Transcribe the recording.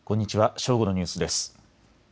正午のニュースです。